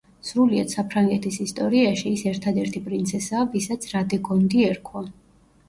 სრულიად საფრანგეთის ისტორიაში, ის ერთადერთი პრინცესაა, ვისაც რადეგონდი ერქვა.